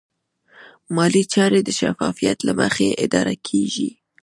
مالي چارې د شفافیت له مخې اداره کېږي.